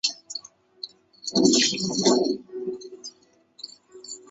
越南人将其故事与中国的纪信救汉高祖的事迹相提并论。